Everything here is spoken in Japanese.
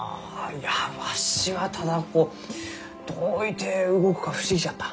いやわしはただどういて動くか不思議じゃった。